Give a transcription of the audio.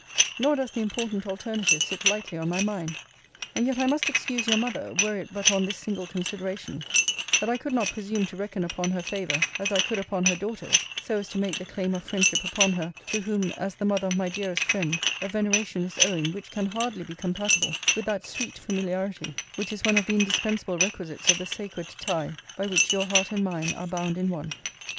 Nor does the important alternative sit lightly on my mind. And yet I must excuse your mother, were it but on this single consideration, that I could not presume to reckon upon her favour, as I could upon her daughter's, so as to make the claim of friendship upon her, to whom, as the mother of my dearest friend, a veneration is owing, which can hardly be compatible with that sweet familiarity which is one of the indispensable requisites of the sacred tie by which your heart and mine are bound in one.